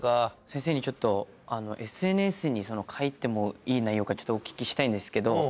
先生にちょっとＳＮＳに書いてもいい内容かお聞きしたいんですけど。